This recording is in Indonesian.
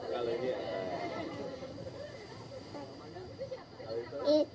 kalau ini apa